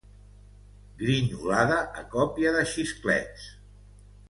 Grinyolada a còpia de xisclets.